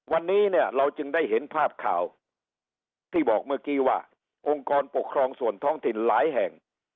วันนี้เนี่ยเราจึงได้เห็นภาพข่าวที่บอกเมื่อกี้ว่าองค์กรปกครองส่วนท้องถิ่นหลายแห่ง